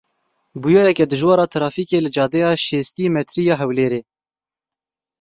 Bûyereke dijwar a trafîkê li cadeya şêstî metrî ya Hewlêrê.